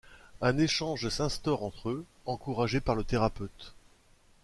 Un échange s'instaure entre eux, encouragé par le thérapeute.